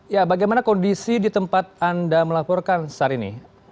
ya bagaimana kondisi di tempat anda melaporkan saat ini